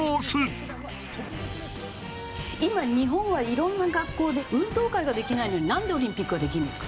今日本はいろんな学校で運動会ができないのになんでオリンピックはできるんですか？